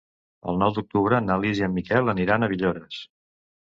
El nou d'octubre na Lis i en Miquel aniran a Villores.